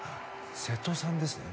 瀬戸さんですね。